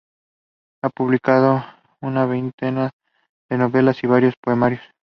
Ha publicado una veintena de novelas y varios poemarios.